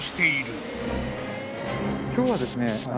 今日はですね。